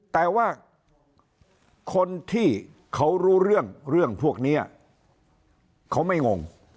แต่ว่าคนที่เขารู้เรื่องเรื่องพวกนี้เขาไม่งง